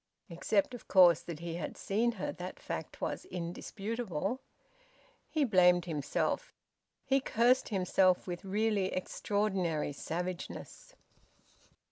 (Except, of course, that he had seen her that fact was indisputable.) He blamed himself. He cursed himself with really extraordinary savageness.